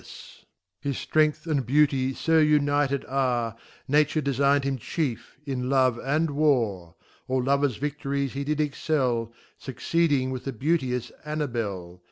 L»] His Strength and Beauty fo united are, Nature defign'd him Chief \ in Love and War. All Lovers Vi&ories he did excel, Succeeding with the beautious Annabel.